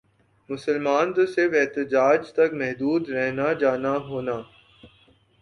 مسلمان تو صرف احتجاج تک محدود رہنا جانا ہونا